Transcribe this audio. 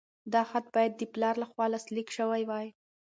دا خط باید د پلار لخوا لاسلیک شوی وای.